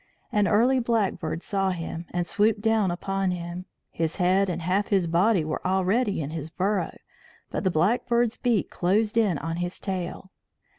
An early blackbird saw him, and swooped down upon him. His head and half his body were already in his burrow, but the blackbird's beak closed on his tail.